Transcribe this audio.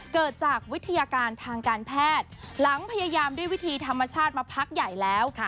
เกิดจากวิทยาการทางการแพทย์หลังพยายามด้วยวิธีธรรมชาติมาพักใหญ่แล้ว